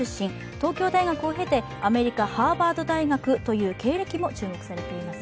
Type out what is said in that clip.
東京大学を経て、アメリカ、ハーバード大学という経歴も注目されています。